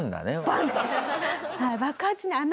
バン！と。